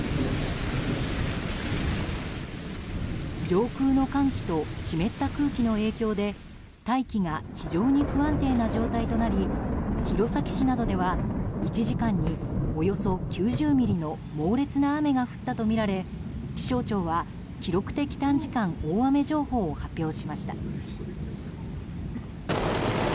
上空の寒気と湿った空気の影響で大気が非常に不安定な状態となり弘前市などでは、１時間におよそ９０ミリの猛烈な雨が降ったとみられ気象庁は記録的短時間大雨情報を発表しました。